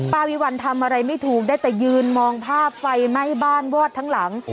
วิวัลทำอะไรไม่ถูกได้แต่ยืนมองภาพไฟไหม้บ้านวอดทั้งหลัง